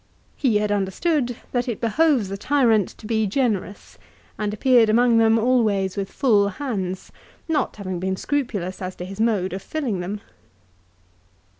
He had understood that it behoves a tyrant to be generous and appeared among them always with full hands, not having been scrupulous as to his mode of filling them.